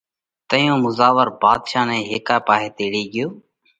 تئيون مُزاور ڀاڌشا نئہ هيڪئہ پاهئہ تيڙي ڳيو